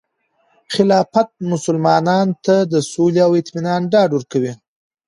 خلافت مسلمانانو ته د سولې او اطمینان ډاډ ورکوي.